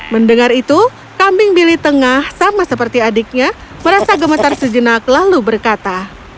mendengar itu kambing bili tengah sama seperti adiknya merasa gemetar sejenak lalu berkata